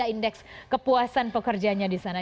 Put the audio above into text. empat tiga indeks kepuasan pekerjaannya di sana